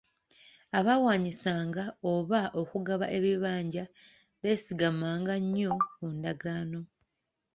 Abaawaanyisanga oba okugaba ebibanja, beesigamanga nnyo ku ndagaano.